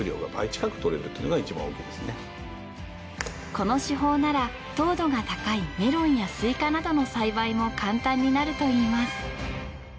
この手法なら糖度が高いメロンやスイカなどの栽培も簡単になるといいます。